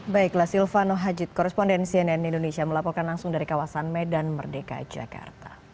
baiklah silvano hajit korrespondensi nn indonesia melaporkan langsung dari kawasan medan merdeka jakarta